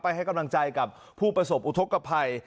ให้กำลังใจกับผู้ประสบอุทธกภัย